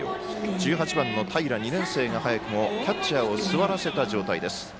１８番の平、２年生が早くもキャッチャーを座らせた状態です。